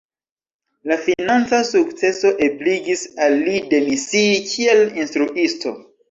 La financa sukceso ebligis al li demisii kiel instruisto.